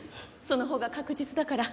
そのほうが確実だから。